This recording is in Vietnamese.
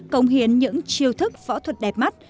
cống hiến những chiêu thức võ thuật đẹp mắt